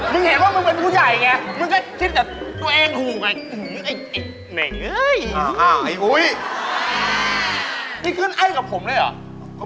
มึงเห็นว่ามึงเป็นผู้ใหญ่ไง